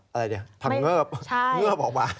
อะไรเนี่ยพังเงิบเงิบออกมา